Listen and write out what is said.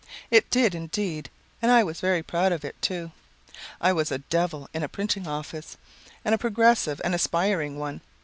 It did, indeed, and I was very proud of it, too. I was a 'devil' in a printing office, and a progressive and aspiring one.